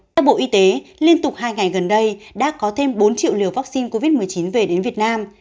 theo bộ y tế liên tục hai ngày gần đây đã có thêm bốn triệu liều vaccine covid một mươi chín về đến việt nam